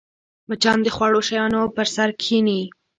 مچان د خوږو شیانو پر سر کښېني